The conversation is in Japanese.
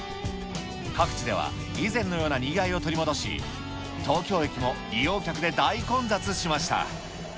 各地では以前のようなにぎわいを取り戻し、東京駅も利用客で大混雑しました。